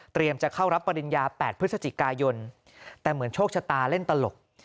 จะเข้ารับปริญญา๘พฤศจิกายนแต่เหมือนโชคชะตาเล่นตลก